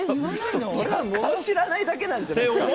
それはもの知らないだけじゃないですか。